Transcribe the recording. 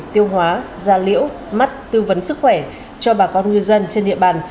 tiêu hóa da liễu mắt tư vấn sức khỏe cho bà con ngư dân trên địa bàn